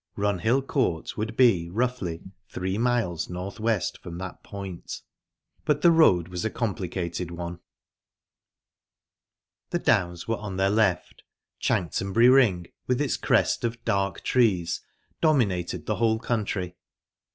Runhill Court would be, roughly, three miles north west from that point, but the road was a complicated one. The Downs were on their left. Chanctonbury Ring, with its crest of dark trees, dominated the whole country.